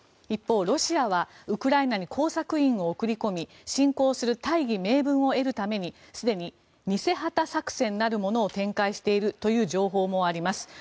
一方、ロシアはウクライナに工作員を送り込み侵攻する大義名分を得るためにすでに偽旗作戦なるものを展開しているという情報もあります。